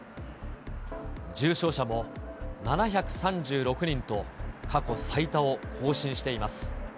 重症者も７３６人と、過去最多を更新しています。